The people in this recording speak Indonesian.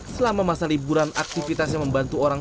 selama masa liburan aktivitasnya membantu orang